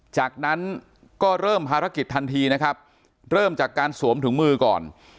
จากนั้นก็เริ่มภารกิจทันทีนะครับเริ่มจากการสวมถุงมือก่อน